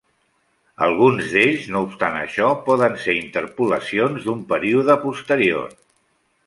Alguns d'ells, no obstant això, poden ser interpolacions d'un període posterior.